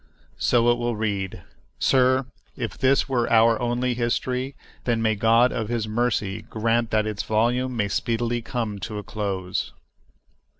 So it will read. Sir, if this were our only history, then may God of His mercy grant that its volume may speedily come to a close.